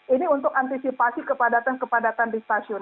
ini untuk antisipasi kepadatan kepadatan di stasiun